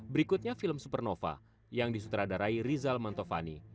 berikutnya film supernova yang disutradarai rizal mantovani